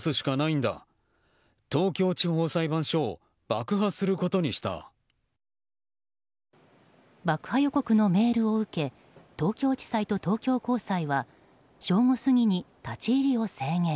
爆破予告のメールを受け東京地裁と東京高裁は正午過ぎに立ち入りを制限。